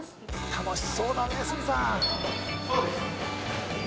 楽しそうだね鷲見さん。